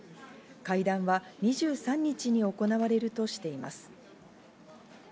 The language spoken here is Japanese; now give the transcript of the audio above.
会談は２３日に行われるとしています。